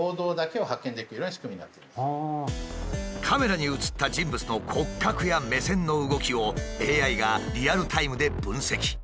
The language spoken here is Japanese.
カメラに映った人物の骨格や目線の動きをＡＩがリアルタイムで分析。